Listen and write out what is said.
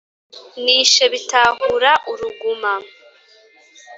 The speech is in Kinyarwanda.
nishe Bitahura uruguma